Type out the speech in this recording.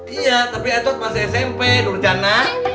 iya tapi edward masih smp nurjana